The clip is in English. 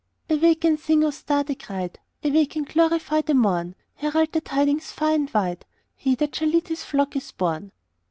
"Awake and sing, O star!" they cried. "Awake and glorify the morn! Herald the tidings far and wide He that shall lead His flock is born!"